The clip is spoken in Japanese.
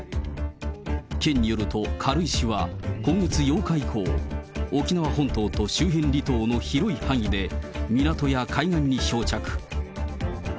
県によると、軽石は今月８日以降、沖縄本島と周辺離島の広い範囲で、港や海岸に漂着。